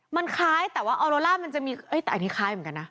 มันคล้ายแต่ว่าออโลล่ามันจะมีแต่อันนี้คล้ายเหมือนกันนะ